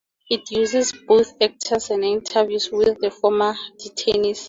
It uses both actors and interviews with the former detainees.